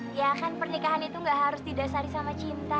ya kan pernikahan itu gak harus didasari sama cinta